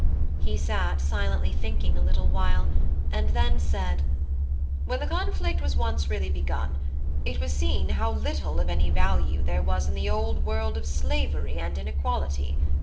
He sat silently thinking a little while, and then said: "When the conflict was once really begun, it was seen how little of any value there was in the old world of slavery and inequality.